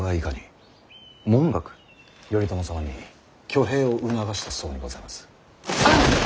頼朝様に挙兵を促した僧にございます。